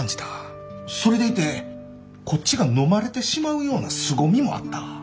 それでいてこっちがのまれてしまうようなすごみもあった。